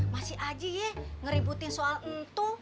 masih haji ya ngeributin soal itu